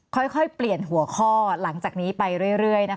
ค่อยเปลี่ยนหัวข้อหลังจากนี้ไปเรื่อย